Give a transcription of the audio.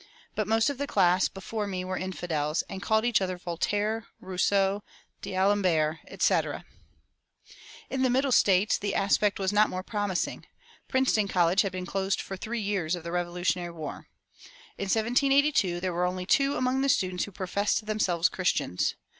But most of the class before me were infidels, and called each other Voltaire, Rousseau, D'Alembert, etc."[231:1] In the Middle States the aspect was not more promising. Princeton College had been closed for three years of the Revolutionary War. In 1782 there were only two among the students who professed themselves Christians.